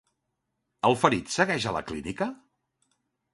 El ferit segueix a la clínica?